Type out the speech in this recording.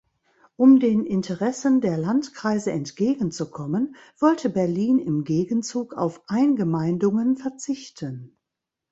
Um den Interessen der Landkreise entgegenzukommen, wollte Berlin im Gegenzug auf Eingemeindungen verzichten.